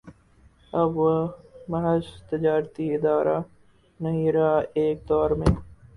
اب وہ محض تجارتی ادارہ نہیں رہا ایک دور میں